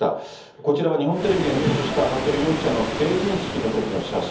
こちらは日本テレビが入手した、服部容疑者の成人式のときの写真。